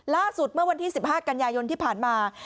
ล่าสุดเมื่อวันที่๑๕กันยายนที่ผ่านมา